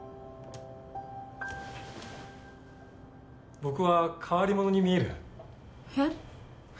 僕は変わり者に見える？え？